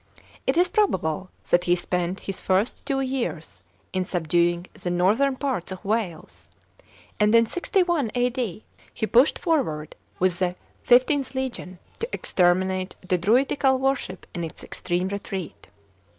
It is probable that he spent his first two years in subduing the northern parts of Wales, and in 61 A.D. he pushed forward with the XlVth legion to exterminate the Druidical worship in its extreme retreat.